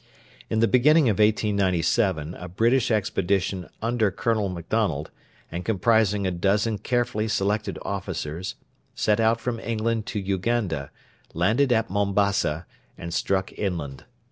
In the beginning of 1897 a British expedition, under Colonel Macdonald, and comprising a dozen carefully selected officers, set out from England to Uganda, landed at Mombassa, and struck inland.